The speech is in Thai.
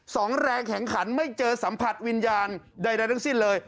สองแรงแข็งขันไม่เจอสัมผัสวิญญาณใดทั้งสิ้นเลย